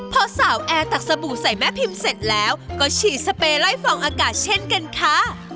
พอสาวแอร์ตักสบู่ใส่แม่พิมพ์เสร็จแล้วก็ฉีดสเปยไล่ฟองอากาศเช่นกันค่ะ